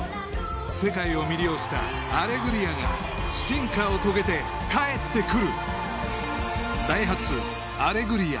世界を魅了した「アレグリア」が進化を遂げて帰ってくる！